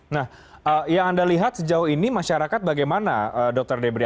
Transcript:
nah yang anda lihat sejauh ini masyarakat bagaimana dokter debrie